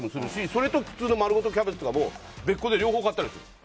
それと普通の丸ごとキャベツとかも別で両方買ったりする。